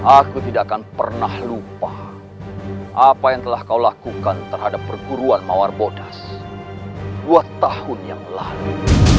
aku tidak akan pernah lupa apa yang telah kau lakukan terhadap perguruan mawar bodas dua tahun yang lalu